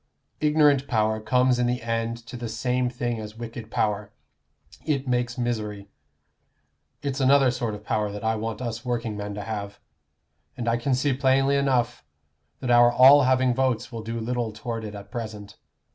Ignorant power comes in the end to the same thing as wicked power; it makes misery. It's another sort of power that I want us workingmen to have, and I can see plainly enough that our all having votes will do little toward it at present.